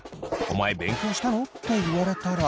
お前勉強したの？って言われたら。